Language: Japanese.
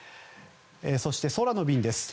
そして、空の便です。